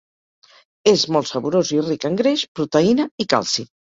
És molt saborós i ric en greix, proteïna i calci.